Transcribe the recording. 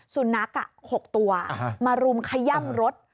สุนัข๖ตัวมารุมขย่ำรถ